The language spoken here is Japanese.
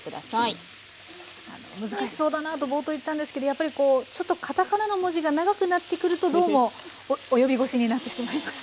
「難しそうだな」と冒頭言ったんですけどやっぱりちょっと片仮名の文字が長くなってくるとどうも及び腰になってしまいます。